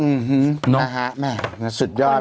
อื้อฮือสุดยอด